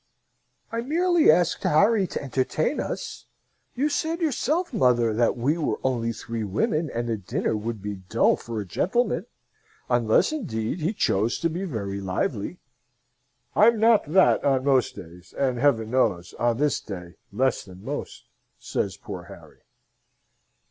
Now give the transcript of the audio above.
"I merely asked Harry to entertain us. You said yourself, mother, that we were only three women, and the dinner would be dull for a gentleman; unless, indeed, he chose to be very lively." "I'm not that on most days and, Heaven knows, on this day less than most," says poor Harry.